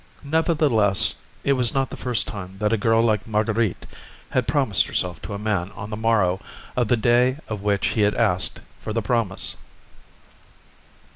Nevertheless, it was not the first time that a girl like Marguerite had promised herself to a man on the morrow of the day on which he had asked for the promise.